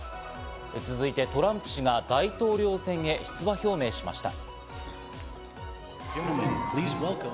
続いて、トランプ氏が大統領選へ出馬表明しました。